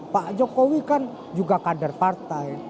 pak jokowi kan juga kader partai